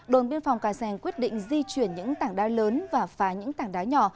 đồn biên phòng cà seng quyết định di chuyển những tảng đá lớn và phá những tảng đá nhỏ